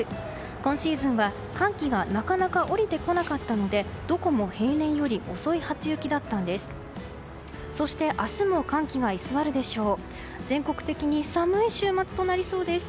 今シーズンは寒気がなかなか下りてこなかったのでどこも平年より遅い初雪だったんです。